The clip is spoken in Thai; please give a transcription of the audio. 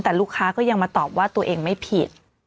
แต่ลูกค้าก็ยังมาตอบว่าตัวเองไม่ผิด